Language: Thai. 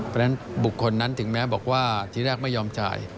เพราะฉะนั้นบุคคลนั้นถึงแม้บอกว่าทีแรกไม่ยอมจ่าย